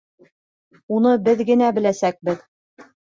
Уны беҙ генә беләсәкбеҙ.